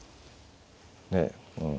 ねえうん。